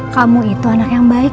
kamu itu anak yang baik